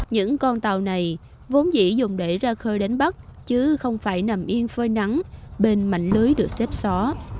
những con tàu này vốn dĩ dùng để ra khơi đến bắc chứ không phải nằm yên phơi nắng bên mạnh lưới được xếp xó